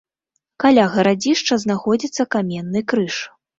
Каля гарадзішча знаходзіцца каменны крыж.